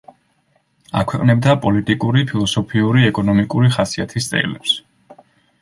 აქვეყნებდა პოლიტიკური, ფილოსოფიური, ეკონომიკური ხასიათის წერილებს.